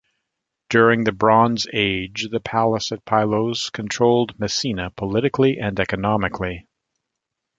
During the Bronze Age the palace at Pylos controlled Messenia politically and economically.